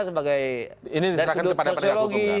sebagai dari sudut sosiologi